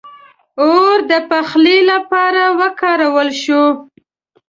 • اور د پخلي لپاره وکارول شو.